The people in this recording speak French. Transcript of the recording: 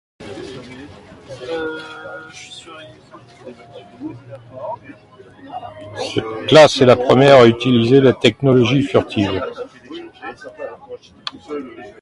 Cette classe est la première à utiliser la technologie furtive.